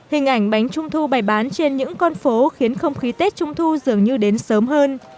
hình ảnh bánh trung thu bày bán trên những con phố khiến không khí tết trung thu dường như đến sớm hơn